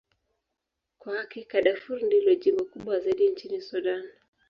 Kwa hakika, Darfur ndilo jimbo kubwa zaidi nchini Sudan.